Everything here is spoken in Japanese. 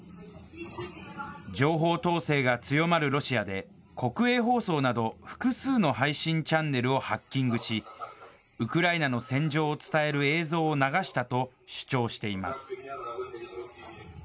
情報統制が強まるロシアで、国営放送など、複数の配信チャンネルをハッキングし、ウクライナの戦場を伝える映像を流したと、主張しています。